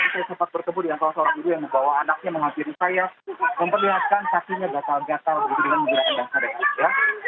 saya sempat berkembang di angkasa orang itu yang membawa anaknya mengakhiri saya memperlihatkan kakinya gatal gatal begitu dengan menggerakkan bangsa dekatnya